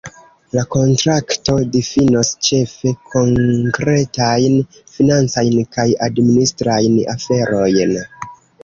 La kontrakto difinos ĉefe konkretajn financajn kaj administrajn aferojn.